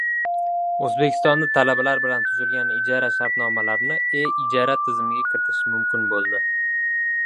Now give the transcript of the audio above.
O‘zbekistonda talabalar bilan tuzilgan ijara shartnomalarini E-ijara tizimiga kiritish mumkin bo‘ldi